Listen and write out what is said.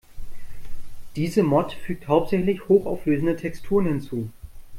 Diese Mod fügt hauptsächlich hochauflösende Texturen hinzu.